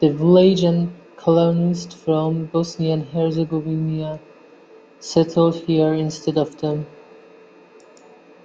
The village and colonists from Bosnia and Herzegovina settled here instead of them.